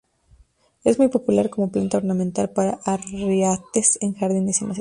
Es muy popular como planta ornamental para arriates en jardines y macetas.